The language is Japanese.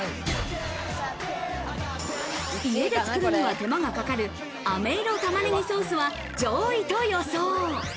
家で作るには手間がかかる、あめいろたまねぎソースは上位と予想。